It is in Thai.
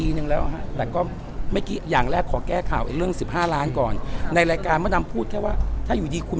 เห็นที่เค้าเลือกไปเว้นคำประกัน